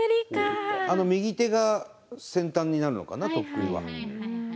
あの右手が先端になるのかなとっくりは。